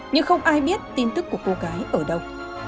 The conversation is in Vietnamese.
nhưng không ai biết tin tức của cô gái ở đâu